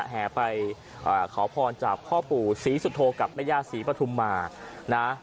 แห่ไปขอพรจากพ่อปู่ศรีสุโธกับแม่ย่าศรีปฐุมมานะ